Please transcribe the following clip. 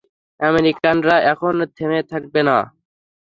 আমেরিকানরা এখন থেমে থাকবে না।